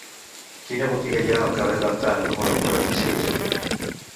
Quina botiga hi ha al carrer d'Artà número quaranta-sis?